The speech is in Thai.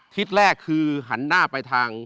ทิศแรกคือหันหน้าไปทาง